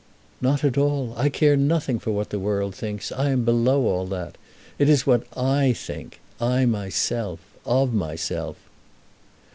"Not at all. I care nothing for what the world thinks. I am below all that. It is what I think: I myself, of myself."